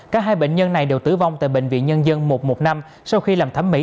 cả hai bệnh nhân này đều tử vong tại bệnh viện nhân dân một trăm một mươi năm sau khi làm thẩm mỹ